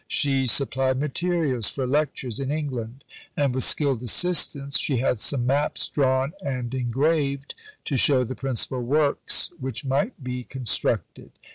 She supplied materials for lectures in England; and, with skilled assistance, she had some maps drawn and engraved, to show the principal works which might be constructed.